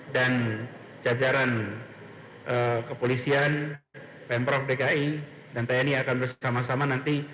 jajaran kepolisian pemprov dki dan tni akan bersama sama nanti